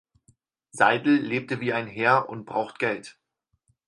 Seidel lebte wie ein Herr und braucht Geld.